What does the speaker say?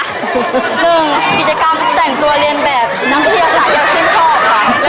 หนึ่งกิจกรรมแต่งตัวเรียนแบบนักวิทยาศาสตร์อย่างชื่นชอบค่ะ